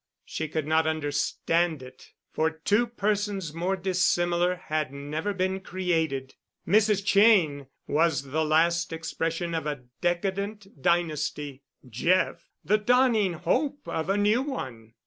She could not understand it, for two persons more dissimilar had never been created. Mrs. Cheyne was the last expression of a decadent dynasty—Jeff, the dawning hope of a new one.